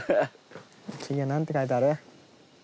次は何て書いてある？